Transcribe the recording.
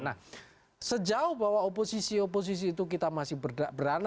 nah sejauh bahwa oposisi oposisi itu kita masih berani